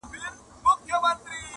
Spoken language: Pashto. پر يارانو شنې پيالې ډكي له مُلو٫